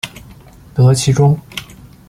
得其中